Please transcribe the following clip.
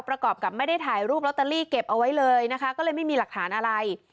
ประกอบกับไม่ได้ถ่ายรูปลอตเตอรี่เก็บเอาไว้เลยนะคะก็เลยไม่มีหลักฐานอะไร